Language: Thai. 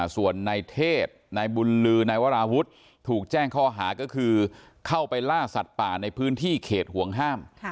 ส่วนนายเทศนายบุญลือนายวราวุฒิถูกแจ้งข้อหาก็คือเข้าไปล่าสัตว์ป่าในพื้นที่เขตห่วงห้าม